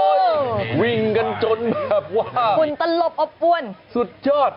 โอ้โหวิ่งกันจนแบบว่าหุ่นตะลบอบอ้วนสุดเจอร์ด